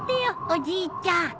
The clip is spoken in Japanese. おじいちゃん。